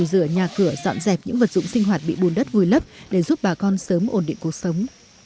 sửa nhà cửa dọn dẹp những vật dụng sinh hoạt bị bùn đất vùi lấp để giúp bà con sớm ổn định cuộc sống